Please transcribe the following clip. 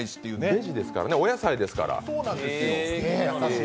ベジですからね、お野菜ですから。